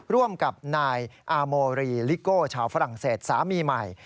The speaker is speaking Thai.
ร่วมกับนายอาโมรีลิโก้ชาวฝรั่งเศสสามีใหม่